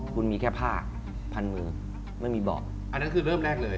คุณมีแค่ผ้าพันมือไม่มีเบาะอันนั้นคือเริ่มแรกเลย